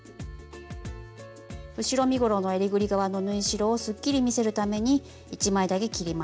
後ろ身ごろのえりぐり側の縫い代をすっきり見せるために１枚だけ切ります。